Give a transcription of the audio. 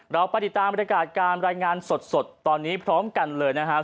เราไปติดตามบรรยากาศการรายงานสดตอนนี้พร้อมกันเลยนะครับ